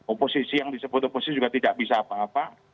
oposisi yang disebut oposisi juga tidak bisa apa apa